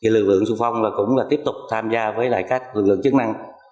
lực lượng sung phong cũng tiếp tục tham gia với các lực lượng chức năng